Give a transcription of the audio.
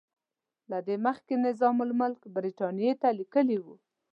له دې مخکې نظام الملک برټانیې ته لیکلي وو.